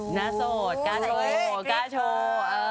หน้าสดก้าโชว์